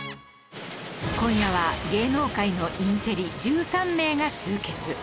今夜は芸能界のインテリ１３名が集結